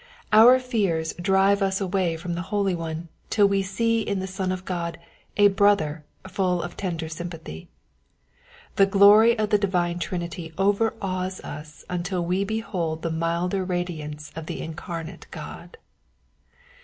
Our fears drive us away from the Holy One till we see in the Son of God a Brother full of tender sympathy. The glory of the divine Trinity overawes us until we behold the milder radiance of the Incarnate God.